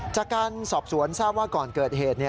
จากการสอบสวนทราบว่าก่อนเกิดเหตุ